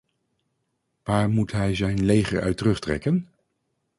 Waar moet hij zijn leger uit terugtrekken?